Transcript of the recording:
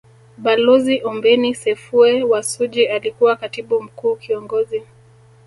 Balozi Ombeni Sefue wa Suji alikuwa Katibu mkuu Kiongozi